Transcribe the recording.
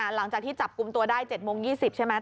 หลังจากที่จับกลุ่มตัวได้๗โมง๒๐ใช่ไหม